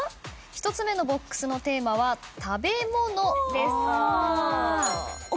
１つ目のＢＯＸのテーマは「食べ物」です。